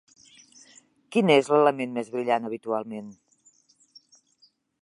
Quin és l'element més brillant habitualment?